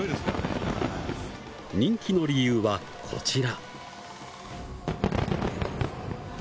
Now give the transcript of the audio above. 人気の理由はこちら。